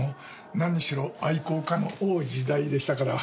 何しろ愛好家の多い時代でしたから。